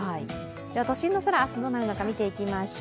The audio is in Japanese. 都心の空、明日どうなるか見ていきましょう。